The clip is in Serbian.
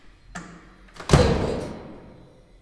То је код!